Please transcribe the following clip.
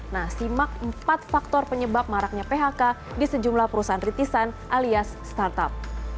nah simak empat faktor penyebab maraknya phk di sejumlah perusahaan rintisan alias startup